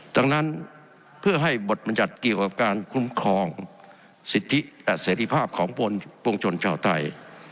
ดังนั้นเพื่อให้บทบรรยัติเกี่ยวกับการคุ้มครองสิทธิและเสรีภาพของปวงชนชาวไทย